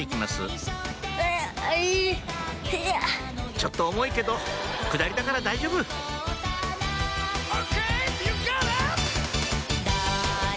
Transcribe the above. ちょっと重いけど下りだから大丈夫あ！